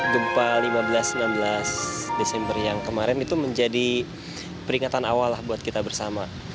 gempa lima belas enam belas desember yang kemarin itu menjadi peringatan awal lah buat kita bersama